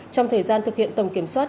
trong thời gian thực hiện tổng kiểm soát